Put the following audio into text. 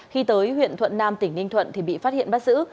khi tới huyện thuận nam tỉnh ninh thuận thì bị phát hiện bắt giữ